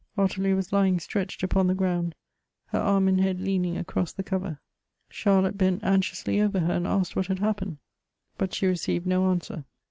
Ottilie was lying stretched upon the ground, her arm and head leaning across the cover. Charlotte bent anxiously over her, and asked what had happened ; but she received no answer.